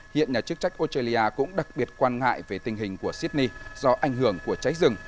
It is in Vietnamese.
hiện nhà chức trách australia cũng đặc biệt quan ngại về tình hình của sydney do ảnh hưởng của cháy rừng